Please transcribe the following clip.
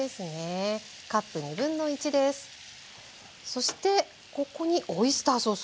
そしてここにオイスターソース。